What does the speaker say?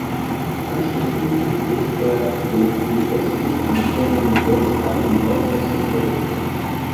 Anschließend durchbricht er den ihn östlich flankierenden Gebirgskamm in ostnordöstlicher Richtung.